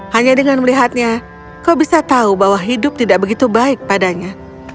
hanya dengan melihatnya kau bisa tahu bahwa hidup tidak begitu baik padanya